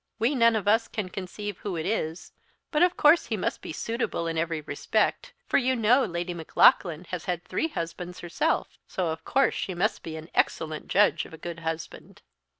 We none of us can conceive who it is, but of course he must be suitable in every respect; for you know Lady Maclaughlan has had three husbands herself; so of course she must be an excellent judge of a good husband."